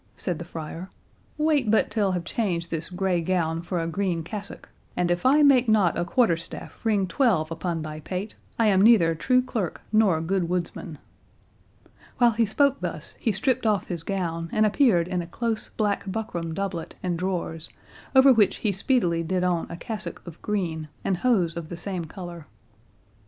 said the friar; "wait but till have changed this grey gown for a green cassock, and if I make not a quarter staff ring twelve upon thy pate, I am neither true clerk nor good woodsman." While he spoke thus, he stript off his gown, and appeared in a close black buckram doublet and drawers, over which he speedily did on a cassock of green, and hose of the same colour.